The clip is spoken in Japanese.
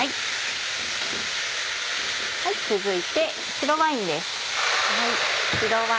続いて白ワインです。